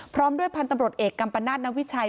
พร้อมด้วยพันธพตำรวจเอกกำประณาตแนบวิชาย